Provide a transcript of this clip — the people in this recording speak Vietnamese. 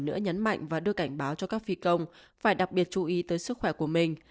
nữa nhấn mạnh và đưa cảnh báo cho các phi công phải đặc biệt chú ý tới sức khỏe của mình